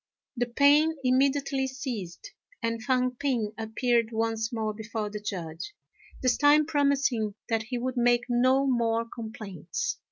The pain immediately ceased, and Fang p'ing appeared once more before the Judge, this time promising that he would make no more complaints.